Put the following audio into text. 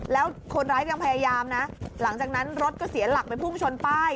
แล้วคนร้ายยังพยายามนะหลังจากนั้นรถก็เสียหลักไปพุ่งชนป้าย